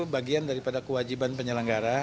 bagian daripada kewajiban penyelenggara